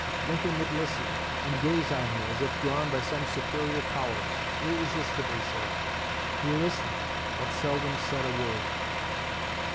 Lincoln would listen, and gaze on her as if drawn by some superior power irresistibly so. He listened, but seldom said a word."